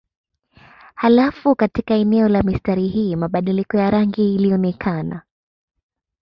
Halafu katika eneo la mistari hii mabadiliko ya rangi ilionekana.